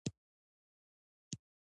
افغانستان د ګاز په برخه کې نړیوال شهرت لري.